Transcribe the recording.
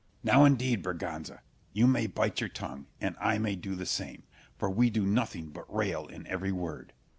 Scip. Now indeed, Berganza, you may bite your tongue, and I may do the same; for we do nothing but rail in every word.